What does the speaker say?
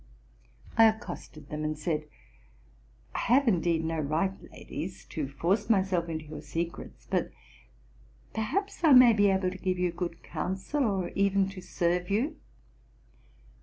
I accosted them, and said, '* I have indeed no right, ladies, to force myself into your secrets ; but perhaps I may be able to give you good counsel, or even to serve you."